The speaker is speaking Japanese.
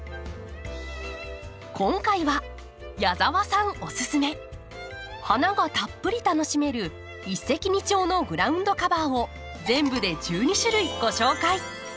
今回は矢澤さんおススメ花がたっぷり楽しめる一石二鳥のグラウンドカバーを全部で１２種類ご紹介！